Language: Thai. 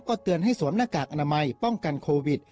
เตือนให้สวมหน้ากากอนามัยป้องกันโควิด